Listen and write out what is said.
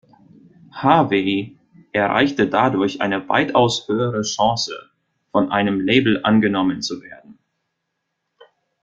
Harvey erreichte dadurch eine weitaus höhere Chance, von einem Label angenommen zu werden.